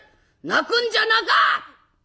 泣くんじゃなか！」。